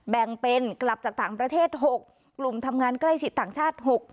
แบ่งเป็นกลับจากต่างประเทศ๖กลุ่มทำงานใกล้ชิดต่างชาติ๖